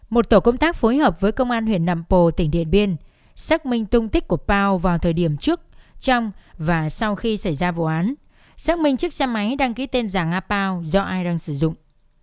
một tổ công tác phối hợp với công an huyện nậm pồ tỉnh điện biên xác minh tung tích của pao vào thời điểm trước trong và sau khi xảy ra vụ án xác minh chiếc xe máy đăng ký tên giả a pao do ai đang sử dụng